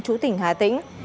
chủ tỉnh hà tĩnh